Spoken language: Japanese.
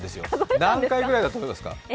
何回ぐらいだと思いますか？